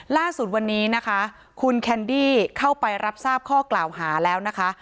ล่าสุดวันนี้นะคะคุณแคนดี้เข้าไปรับทราบข้อกล่าวหาแล้วนะคะ